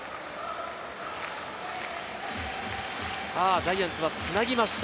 ジャイアンツはつなぎました。